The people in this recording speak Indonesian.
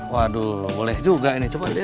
waduh boleh juga ini coba lihat